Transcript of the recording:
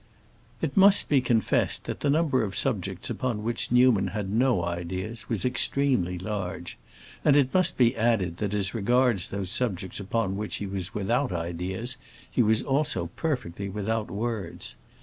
It must be confessed that the number of subjects upon which Newman had no ideas was extremely large, and it must be added that as regards those subjects upon which he was without ideas he was also perfectly without words.